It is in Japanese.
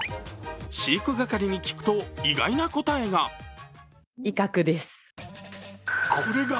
飼育係に聞くと、意外な答えが。